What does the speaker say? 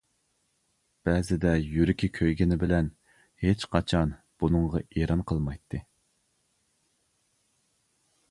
بەزىدە يۈرىكى كۆيگىنى بىلەن ھېچقاچان بۇنىڭغا ئېرەن قىلمايتتى.